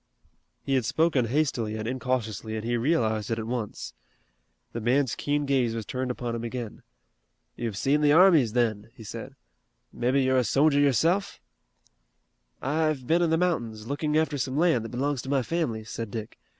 He had spoken hastily and incautiously and he realized it at once. The man's keen gaze was turned upon him again. "You've seen the armies, then?" he said. "Mebbe you're a sojer yourself?" "I've been in the mountains, looking after some land that belongs to my family," said Dick.